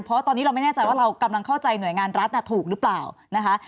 เพราะตอนนี้เราไม่แน่ใจว่าเรากำลังเข้าใจหน่วยงานรัฐถูกหรือเปล่านะคะ